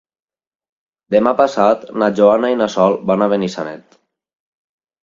Demà passat na Joana i na Sol van a Benissanet.